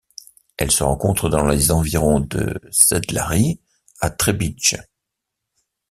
Elle se rencontre dans les environs de Sedlari à Trebinje.